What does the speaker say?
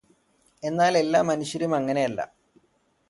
എന്നാൽ, എല്ലാ മനുഷ്യരുമങ്ങനെയല്ല.